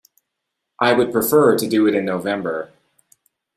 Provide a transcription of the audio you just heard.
I would prefer to do it in November.